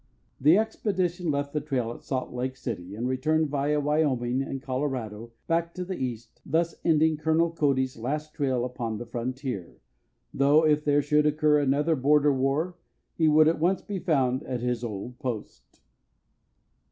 The expedition left the trail at Salt Lake City and returned via Wyoming and Colorado, back to the East, thus ending Colonel Cody's last trail upon the frontier, though if there should occur another border war, he would at once be found at his old post.